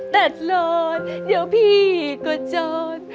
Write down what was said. แต่ร้อนเดี๋ยวพี่ก็จอด